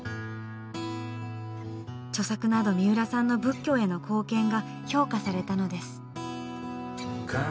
著作などみうらさんの仏教への貢献が評価されたのです。